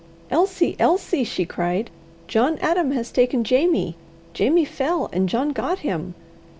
"Elsie! Elsie!" she cried, "John Adam has taken Jamie. Jamie fell, and John got him."